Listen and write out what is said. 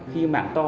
khi mảng to